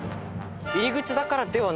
入り口だからではなく？